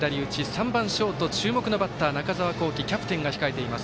３番ショート、注目のバッター中澤恒貴キャプテンが控えています